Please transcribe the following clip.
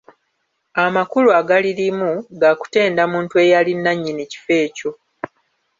Amakulu agalirimu ga kutenda muntu eyali nannyini kifo ekyo.